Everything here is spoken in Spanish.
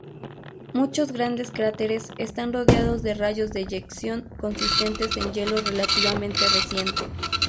Muchos grandes cráteres están rodeados de rayos de eyección consistentes en hielo relativamente reciente.